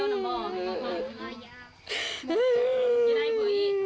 นั่งนั่งนั่งนั่งนั่งนั่งนั่งนั่งนั่งนั่งนั่งนั่งนั่งนั่ง